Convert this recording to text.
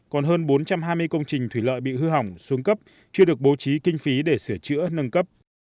còn hơn bốn trăm hai mươi công trình thủy lợi bị hư hỏng xuống cấp chưa được bố trí kinh phí để sửa chữa nâng cấp